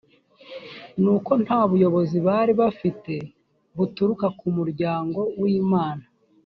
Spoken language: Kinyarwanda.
nuko nta buyobozi bari bafite buturuka ku muryango w imana